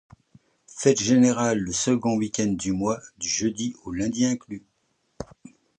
Fêtes générales le second week-end du mois, du jeudi au lundi inclus.